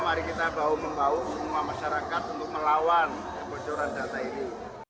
mari kita bahu membahu semua masyarakat untuk melawan kebocoran data ini